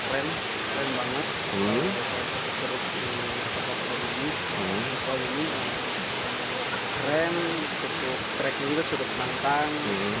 curug sawar ini keren cukup krek juga curug mantan